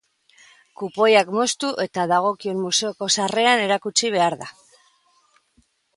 Kupoiak moztu eta dagokion museoko sarreran erakutsi behar da.